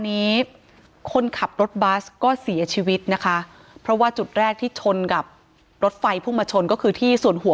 นี้คนขับรถบัสก็เสียชีวิตนะคะเพราะว่าจุดแรกที่ชนกับรถไฟพุ่งมาชนก็คือที่ส่วนหัว